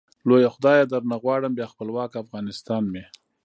لويه خدايه درنه غواړم ، بيا خپلوک افغانستان مي